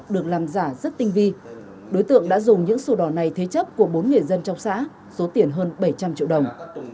được làm giả rất tinh vi đối tượng đã dùng những sổ đỏ này thế chấp của bốn người dân trong xã số tiền hơn bảy trăm linh triệu đồng